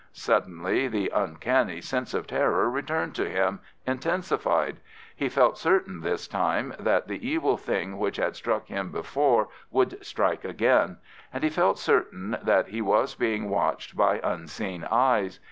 Suddenly the uncanny sense of terror returned to him, intensified. He felt certain this time that the evil thing which had struck him before would strike again, and he felt certain that he was being watched by unseen eyes.